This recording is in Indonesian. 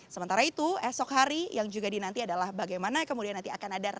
sementara itu esok hari yang juga dinanti adalah bagaimana kemudian nanti akan ada rencana